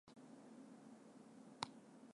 ｊ ど ｓｓ